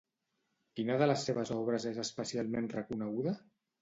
Quina de les seves obres és especialment reconeguda?